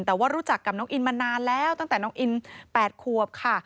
แต่ว่ารู้จักกับน้องอินมานานแล้วตั้งแต่น้องอิน๘ขวบค่ะ